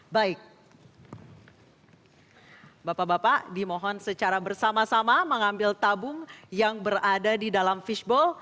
baik bapak bapak dimohon secara bersama sama mengambil tabung yang berada di dalam fishbowl